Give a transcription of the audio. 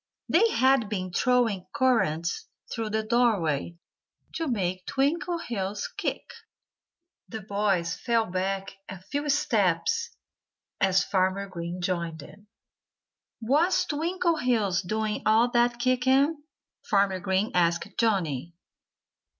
They had been throwing currants through the doorway, to make Twinkleheels kick. The boys fell back a few steps as Farmer Green joined them. "Was Twinkleheels doing all that kicking?" Farmer Green asked Johnnie.